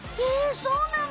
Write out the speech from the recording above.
そうなの。